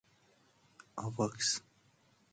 آواکس